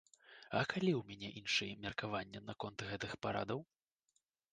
А калі ў мяне іншае меркаванне наконт гэтых парадаў?